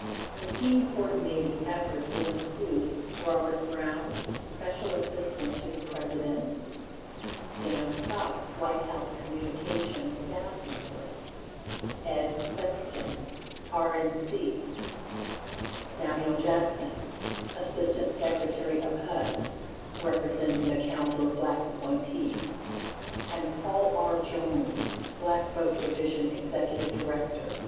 The team coordinating ef forts will include Robert Brown, Special Assistant to the Pres ident ; Stan Scott, White House Communications Staff Mem ber; Ed Sexton, RAC; Samuel Jackson, Assistant Secretary of HUD (representing the Council of Black appointees) ; and Paul R. Jones, Black Vote Division Executive Director.